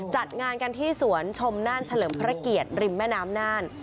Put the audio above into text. จัดงานกันที่สวนชมน่านเฉลิมพระเกียรติริมแม่น้ำน่าน